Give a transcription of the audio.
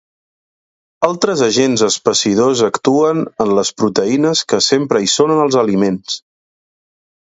Altres agents espessidors actuen en les proteïnes que sempre hi són en els aliments.